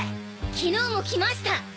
昨日も来ました！